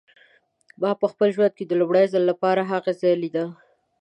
ما په خپل ژوند کې د لومړي ځل لپاره هغه ځای لیده.